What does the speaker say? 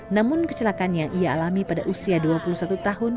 namun kecelakaan yang ia alami pada usia dua puluh satu tahun